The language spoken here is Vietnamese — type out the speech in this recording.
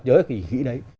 nhớ cái kỷ nghĩa đấy